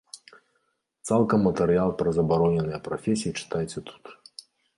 Цалкам матэрыял пра забароненыя прафесіі чытайце тут.